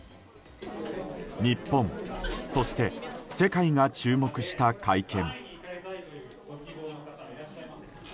日本、そして世界が注目した会見。